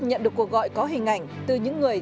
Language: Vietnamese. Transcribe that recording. nhận được cuộc gọi có hình ảnh từ những người